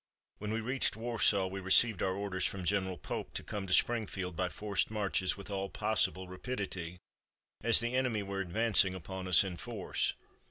When we reached Warsaw we received our orders from General Pope to come to Springfield by forced marches with all possible rapidity, as the enemy were advancing upon us in force.